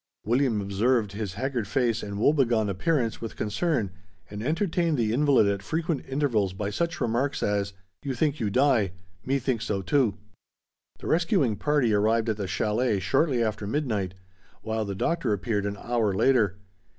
William observed his haggard face and woe begone appearance with concern and entertained the invalid at frequent intervals by such remarks as, "You think you die, me think so too." The rescuing party arrived at the chalet shortly after midnight, while the Doctor appeared an hour later.